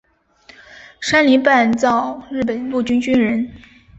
山梨半造日本陆军军人。